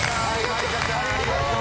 ありがとう。